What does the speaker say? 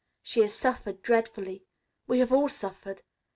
She has suffered dreadfully. We have all suffered.